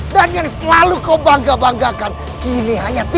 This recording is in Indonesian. dia benar benar berhati hati